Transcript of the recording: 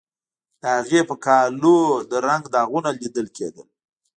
د هغې په کالیو د رنګ داغونه لیدل کیدل